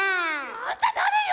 あんた誰よ！